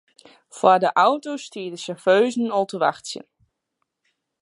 Foar de auto stie de sjauffeuze al te wachtsjen.